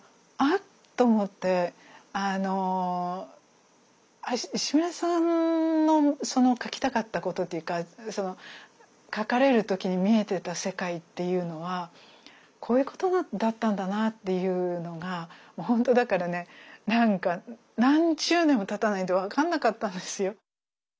っと思って石牟礼さんのその書きたかったことっていうか書かれる時に見えてた世界っていうのはこういうことだったんだなっていうのがほんとだからねなんか何十年もたたないと分かんなかったんですよ。